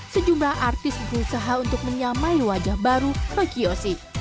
sejumlah artis berusaha untuk menyamai wajah baru roy kiyoshi